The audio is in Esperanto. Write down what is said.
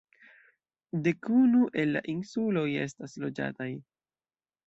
Dekunu el la insuloj estas loĝataj.